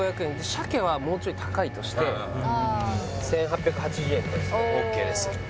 鮭はもうちょい高いとしてああおおＯＫです